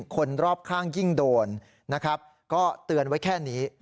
คนรอบข้างยิ่งโดนนะครับก็เตือนไว้แค่นี้